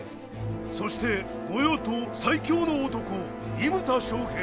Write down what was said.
そして御用盗最強の男伊牟田尚平。